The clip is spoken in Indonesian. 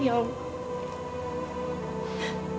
yang sudah menyianyikan anakku sendiri